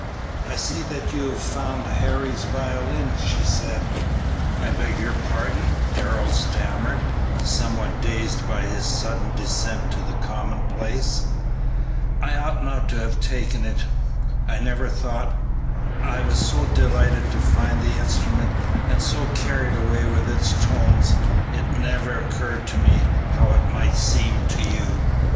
"I see that you have found Harry's violin," she said. "I beg your pardon," Darrell stammered, somewhat dazed by his sudden descent to the commonplace, "I ought not to have taken it; I never thought, I was so delighted to find the instrument and so carried away with its tones, it never occurred to me how it might seem to you!"